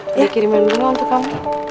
kita kiriman bunga untuk kamu